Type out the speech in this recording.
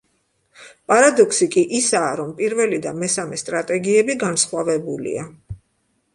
პარადოქსი კი ისაა, რომ პირველი და მესამე სტრატეგიები განსხვავებულია.